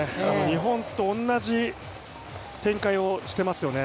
日本と同じ展開をしていますよね。